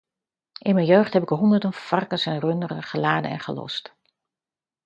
In mijn jeugd heb ik honderden varkens en runderen geladen en gelost.